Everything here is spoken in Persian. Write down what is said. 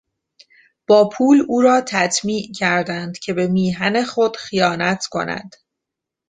با پول او را تطمیع کردند که به میهن خود خیانت کند.